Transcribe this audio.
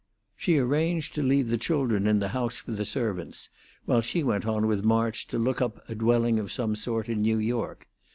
She arranged to leave the children in the house with the servants, while she went on with March to look up a dwelling of some sort in New York.